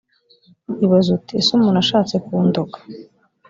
ibaze uti ese umuntu ashatse kundoga